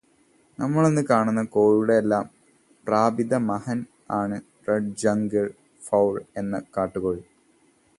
നമ്മൾ ഇന്ന് കാണുന്ന കോഴികളുടെയെല്ലാം പ്രപിതാമഹൻ ആണ് ‘റെഡ് ജംഗിൾ ഫൗൾ’ എന്ന കാട്ടുകോഴി.